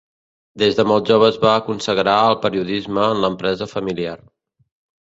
Des de molt jove es va consagrar al periodisme en l'empresa familiar.